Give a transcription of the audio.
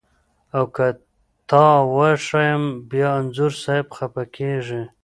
او که تا وښیم بیا انځور صاحب خپه کږي.